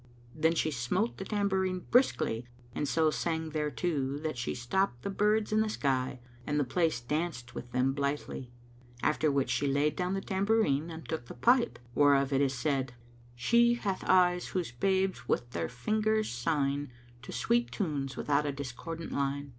Then she smote the tambourine briskly and so sang thereto, that she stopped the birds in the sky and the place danced with them blithely; after which she laid down the tambourine and took the pipe [FN#231] whereof it is said, "She hath eyes whose babes wi' their fingers sign * To sweet tunes without a discordant line."